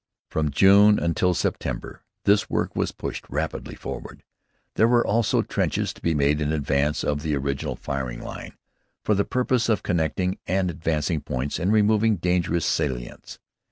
From June until September this work was pushed rapidly forward. There were also trenches to be made in advance of the original firing line, for the purpose of connecting up advanced points and removing dangerous salients.